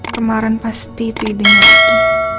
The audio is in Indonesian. kemarin pasti itu idenya riki